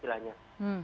jadi ini berarti berbeda